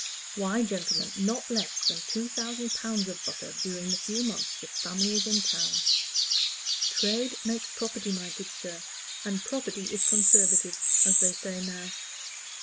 "Why, gentlemen, not less than two thousand pounds of butter during the few months the family is in town! Trade makes property, my good sir, and property is conservative, as they say now.